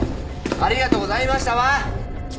「ありがとうございました」は？